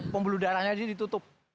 pembuluh darahnya ditutup